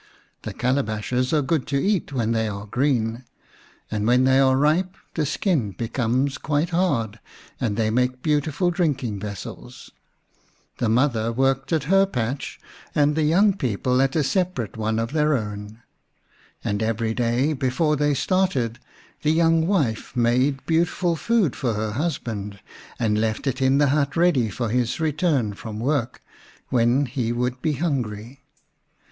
The calabashes are good to eat when they are green, and when they are ripe the skin becomes quite hard, and they make beautiful drinking vessels. The mother worked at her patch, and the young people at a vi The Unnatural Mother separate one of their own. And every day before they started the young wife made beautiful food for her husband, and left it in the hut ready for his return from work, when he would be hungry.